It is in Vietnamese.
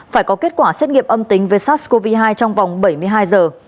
phải có kết quả xét nghiệm âm tình về sars cov hai trong vòng bảy mươi hai giờ